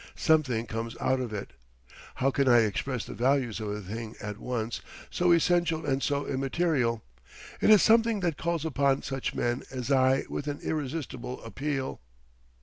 Something comes out of it.... How can I express the values of a thing at once so essential and so immaterial. It is something that calls upon such men as I with an irresistible appeal.